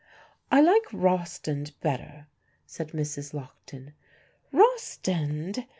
"I like Rostand better," said Mrs. Lockton. "Rostand!"